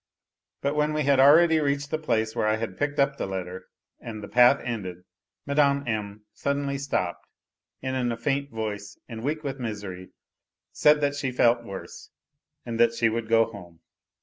But when we had already reached the place where I had picked up the letter, and the^path ended, Mme. M. suddenly stopped, and in a voice faint and weak with misery said that she felt worse, and that she would go home.